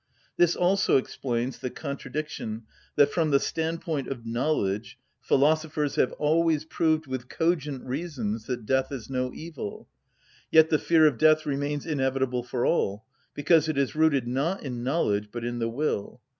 This also explains the contradiction that from the standpoint of knowledge philosophers have always proved with cogent reasons that death is no evil; yet the fear of death remains inevitable for all, because it is rooted, not in knowledge, but in the will.